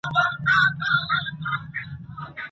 اسلام د مرييتوب سيستم په حکمت ختم کړ.